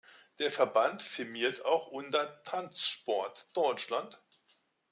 Der Verband firmiert auch unter Tanzsport Deutschland.